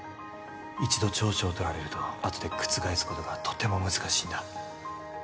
一度調書を取られるとあとで覆すことがとても難しいんだ